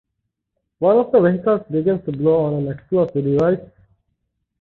One of the vehicles begins to blow on an explosive device.